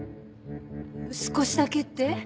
少しだけって？